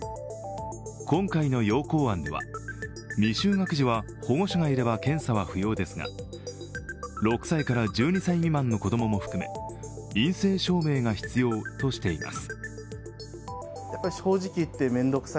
今回の要綱案では、未就学児は保護者がいれば検査は不要ですが６歳から１２歳未満の子供も含め陰性証明が必要としています。